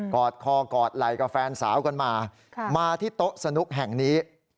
อดคอกอดไหล่กับแฟนสาวกันมามาที่โต๊ะสนุกแห่งนี้